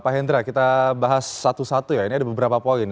pak hendra kita bahas satu satu ya ini ada beberapa poin